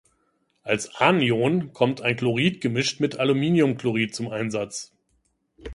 Als Anion kommt ein Chlorid gemischt mit Aluminiumchlorid zum Einsatz.